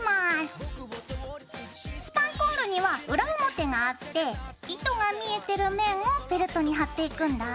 スパンコールには裏表があって糸が見えてる面をフェルトに貼っていくんだ。